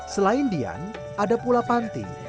selain dian ada pula panti